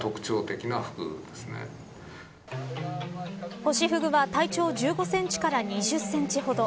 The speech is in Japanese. ホシフグは体長１５センチから２０センチほど。